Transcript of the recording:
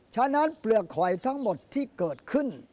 ฉะนั้นเปลือกหอยทั้งหมดที่เกิดขึ้น